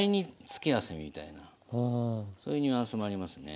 付け合わせみたいなそういうニュアンスもありますね。